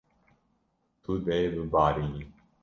Tu dê bibarînî.